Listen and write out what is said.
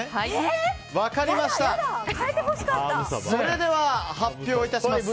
それでは発表いたします。